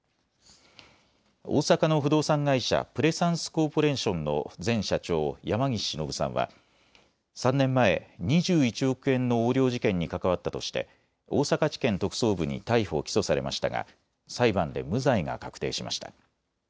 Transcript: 大阪の不動産会社、プレサンスコーポレーションの前社長、山岸忍さんは３年前２１億円の横領事件に関わったとして大阪地検特捜部に逮捕・起訴されましたが裁判で無罪が確定しました。